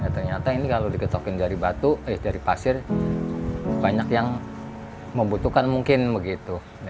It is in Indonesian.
ternyata ini kalau diketokin dari batu eh dari pasir banyak yang membutuhkan mungkin begitu